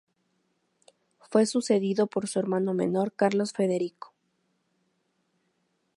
Fue sucedido por su hermano menor Carlos Federico.